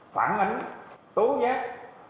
phản ánh tố giác